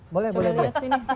boleh boleh boleh